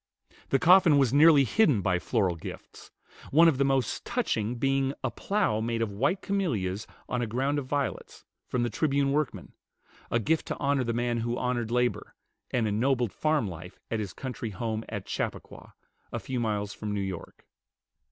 The coffin was nearly hidden by floral gifts; one of the most touching being a plow made of white camelias on a ground of violets, from the "Tribune" workmen, a gift to honor the man who honored labor, and ennobled farm life at his country home at Chappaqua, a few miles from New York.